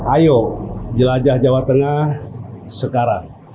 ayo jelajah jawa tengah sekarang